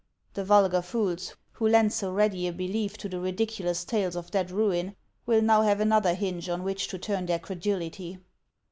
'The vulgar fools, who lend so ready a belief to the ridiculous tales of that Ruin, will now have another hinge on which to turn their credulity.'